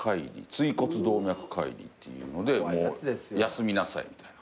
椎骨動脈解離っていうのでもう休みなさいみたいな。